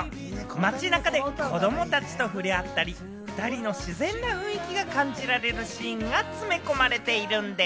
街中で子どもたちと触れ合ったり、２人の自然な雰囲気が感じられるシーンが詰め込まれているんでぃす。